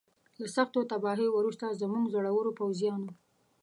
له سختو تباهیو وروسته زموږ زړورو پوځیانو.